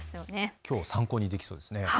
きょうを参考にできそうですね。